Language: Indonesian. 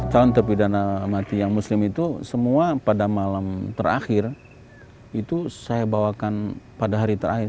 calon terpidana mati yang muslim itu semua pada malam terakhir itu saya bawakan pada hari terakhir